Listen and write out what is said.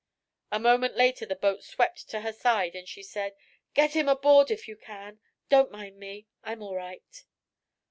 A moment later the boat swept to her side and she said: "Get him aboard, if you can. Don't mind me; I'm all right."